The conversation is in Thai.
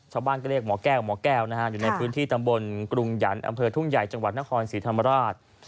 ชาวบ้านก็เรียกหมอแก้วหมอแก้วนะฮะอยู่ในพื้นที่ตำบลกรุงหยันต์อำเภอทุ่งใหญ่จังหวัดนครศรีธรรมราช